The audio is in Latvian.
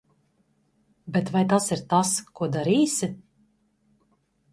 Bet vai tas ir tas, ko darīsi?